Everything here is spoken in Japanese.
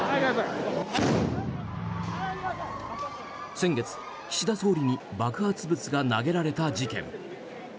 先月、岸田総理に爆発物が投げられた事件。